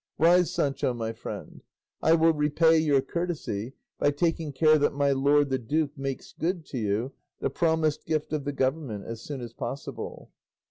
Rise, Sancho, my friend; I will repay your courtesy by taking care that my lord the duke makes good to you the promised gift of the government as soon as possible."